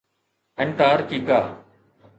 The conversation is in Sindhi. انٽارڪيڪا